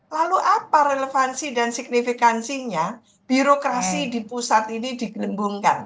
lalu apa relevansi dan signifikansinya birokrasi di pusat ini digelembungkan